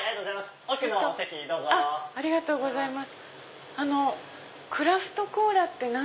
ありがとうございます。